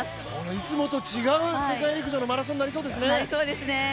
いつもと違う世界陸上のマラソンになりそうですね。